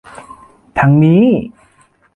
ทางนี้